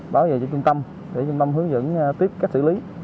báo về cho trung tâm để trung tâm hướng dẫn tiếp cách xử lý